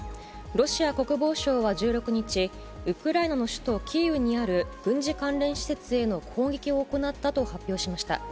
ロシア国防省は１６日、ウクライナの首都キーウにある軍事関連施設への攻撃を行ったと発表しました。